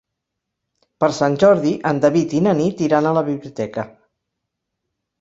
Per Sant Jordi en David i na Nit iran a la biblioteca.